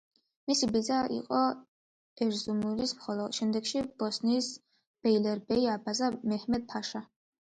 მისი ბიძა, იყო ერზურუმის, ხოლო შემდეგში ბოსნიის ბეილერბეი, აბაზა მეჰმედ-ფაშა.